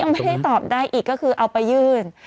ไม่ได้ตอบได้อีกก็คือเอาไปยื่น